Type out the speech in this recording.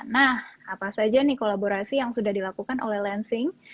nah apa saja nih kolaborasi yang sudah dilakukan oleh lansing